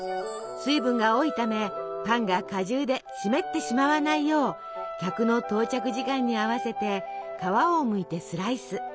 水分が多いためパンが果汁で湿ってしまわないよう客の到着時間に合わせて皮をむいてスライス。